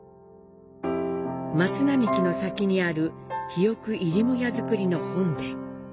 松並木の先にある比翼入母屋造の本殿。